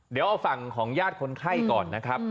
เดี๋ยวเอาฝั่งของญาติคนไข้ก่อนนะครับ